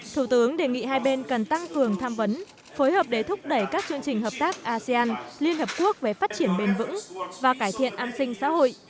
thủ tướng đề nghị hai bên cần tăng cường tham vấn phối hợp để thúc đẩy các chương trình hợp tác asean liên hợp quốc về phát triển bền vững và cải thiện an sinh xã hội